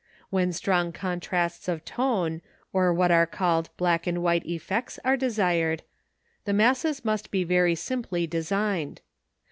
When strong contrasts of tone or what are called black and white effects are desired, the masses must be very simply designed.